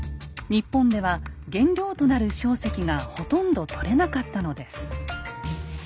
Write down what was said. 日本では原料となる硝石がほとんど採れなかったのです。